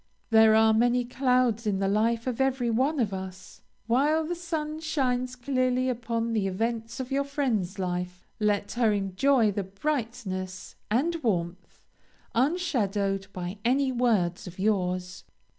There are many clouds in the life of every one of us. While the sun shines clearly upon the events of your friend's life let her enjoy the brightness and warmth, unshadowed by any words of yours.